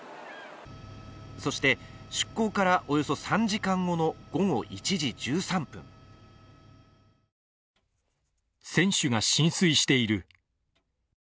そして、出港からおよそ３時間後の午後１時１３分、船首が浸水している。